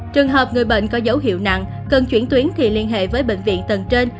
trường hợp người bệnh có dấu hiệu nặng cần chuyển tuyến thì liên hệ với bệnh viện tầng trên